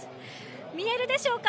見えるでしょうか？